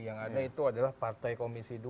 yang ada itu adalah partai komisi dua